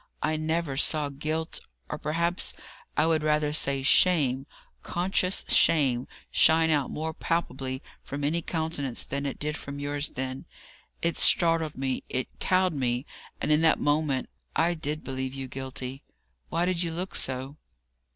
I never saw guilt or perhaps I would rather say shame, conscious shame shine out more palpably from any countenance than it did from yours then. It startled me it cowed me; and, in that moment, I did believe you guilty. Why did you look so?"